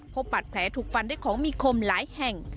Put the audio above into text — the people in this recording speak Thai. พบบัตรแผลถูกฟันด้วยของมีคมหลายแห่ง